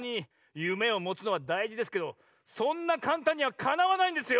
夢をもつのはだいじですけどそんなかんたんにはかなわないんですよ！